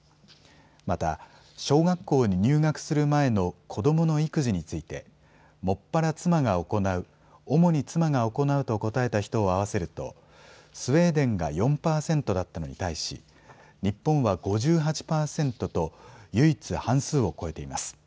また、小学校に入学する前の子どもの育児についてもっぱら妻が行う、主に妻が行うと答えた人を合わせるとスウェーデンが４％だったのに対し日本は５８％と唯一、半数を超えています。